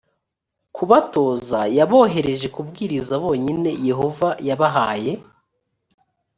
kubatoza yabohereje kubwiriza bonyine yehova yabahaye